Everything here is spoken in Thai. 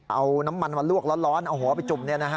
เอาน้ำมันมาลวกร้อนเอาหัวไปจุ่ม